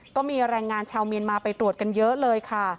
ก็มีแรงงานชาวเมียนมาไปตรวจกันเยอะเลยค่ะ